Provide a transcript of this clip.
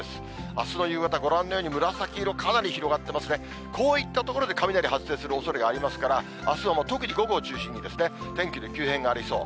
あすの夕方、ご覧のように紫色、かなり広がってますね、こういった所で雷発生するおそれがありますから、あすはもう特に午後を中心に天気の急変がありそう。